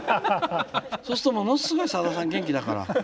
そうするとものすごいさださん元気だから。